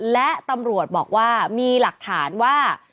และตำรวจบอกว่ามีหลักฐานว่า